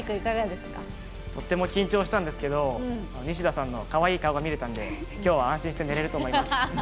とっても緊張したんですけどニシダさんの、かわいい顔が見れたので今日は安心して寝れると思います。